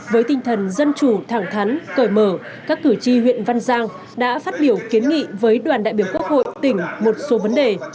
với tinh thần dân chủ thẳng thắn cởi mở các cử tri huyện văn giang đã phát biểu kiến nghị với đoàn đại biểu quốc hội tỉnh một số vấn đề